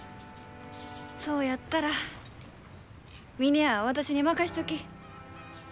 そうやったら峰屋は私に任しちょき。